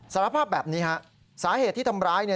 สารภาพแบบนี้ฮะสาเหตุที่ทำร้ายเนี่ย